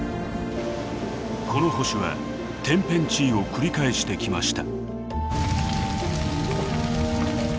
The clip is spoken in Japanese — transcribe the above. この星は天変地異を繰り返してきました。